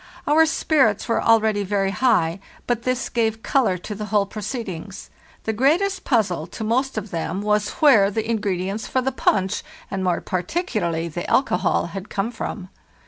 Our spirits were already very high, but this gave color to the whole proceedings. The greatest puzzle to most of them was where the ingredients for the punch, and more particularly the alcohol, had come from.